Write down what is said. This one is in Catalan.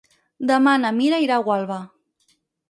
Demà na Mira irà a Gualba.